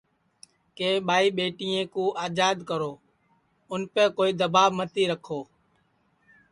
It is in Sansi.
کہ ٻائی ٻیٹیں کُو آجاد کرو اُنپے کوئی دؔواب متی رکھو